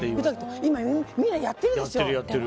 今みんなやってるでしょ？